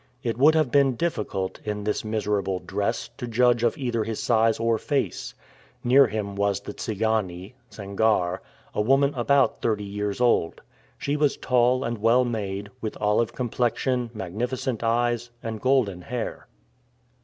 It would have been difficult, in this miserable dress, to judge of either his size or face. Near him was the Tsigane, Sangarre, a woman about thirty years old. She was tall and well made, with olive complexion, magnificent eyes, and golden hair.